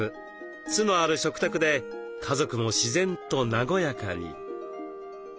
酢のある食卓で家族も自然と和やかに。